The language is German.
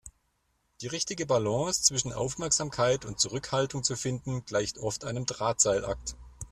Die richtige Balance zwischen Aufmerksamkeit und Zurückhaltung zu finden, gleicht oft einem Drahtseilakt.